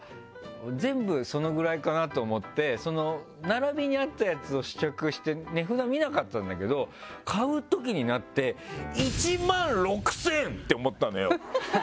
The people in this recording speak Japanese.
全部そのぐらいかなと思って並びにあったやつを試着して値札見なかったんだけど買うときになって。って思ったのよ。